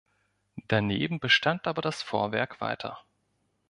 Daneben bestand aber das Vorwerk weiter.